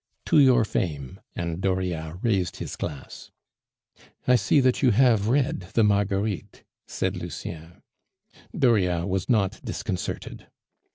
"To your fame!" and Dauriat raised his glass. "I see that you have read the Marguerites," said Lucien. Dauriat was not disconcerted.